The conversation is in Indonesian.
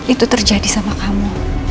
itu terjadi sama kamu